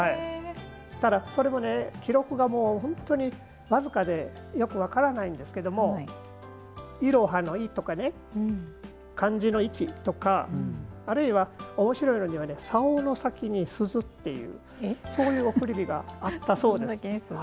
それも記録が本当に僅かでよく分からないんですけどいろはの「い」とか漢字の「一」とかあるいは、おもしろいのには「さおの先に鈴」っていうそういう送り火があったそうです。